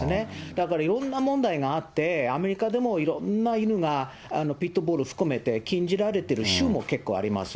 だからいろんな問題があって、アメリカでもいろんな犬が含めて禁じられてる種も結構あります。